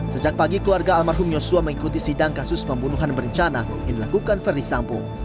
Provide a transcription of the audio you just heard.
sejak pagi keluarga almarhum yosua mengikuti sidang kasus pembunuhan berencana yang dilakukan verdi sambo